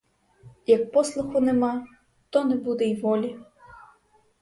Як послуху нема, то не буде й волі.